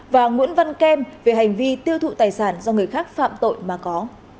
và nguyễn văn kem về hành vi tiêu thụ tài sản do người khác phạm tội mà có